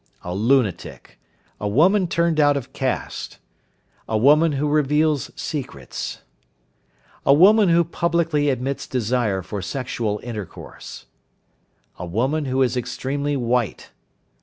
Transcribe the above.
A lunatic. A woman turned out of caste. A woman who reveals secrets. A woman who publicly expresses desire for sexual intercourse. A woman who is extremely white.